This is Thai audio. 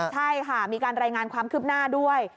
ใช่ค่ะมีการรายงานความคืบหน้าด้วย